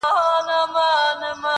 لاس یې پورته د غریب طوطي پر سر کړ!.